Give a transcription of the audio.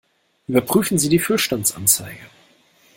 Überprüfen Sie die Füllstandsanzeige!